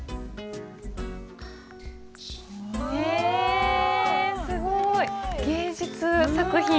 えすごい！芸術作品！